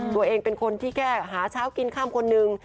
ตัวเองเป็นคนที่แก้หาเช้ากินข้ามคนหนึ่ง